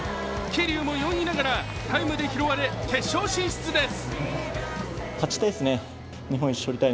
桐生も４位ながらタイムで拾われ決勝進出です。